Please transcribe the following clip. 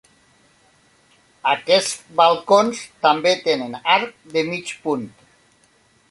Aquests balcons també tenen arc de mig punt.